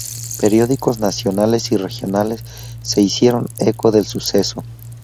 Periódicos nacionales y regionales se hicieron eco del suceso.